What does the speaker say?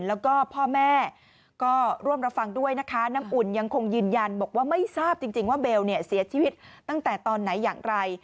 แล้วก็พ่อแม่ก็ร่วมรับฟังด้วยนะคะน้ำอุ่นยังคงยืนยันบอกว่าไม่ทราบจริงว่าเบลเนี่ยเสียชีวิตตั้งแต่ตอนไหนอย่างไร